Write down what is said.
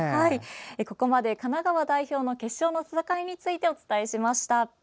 ここまで神奈川代表の決勝の戦いについてお伝えしました。